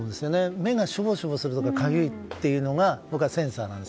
目がショボショボするとかかゆいというのが僕のセンサーなんです。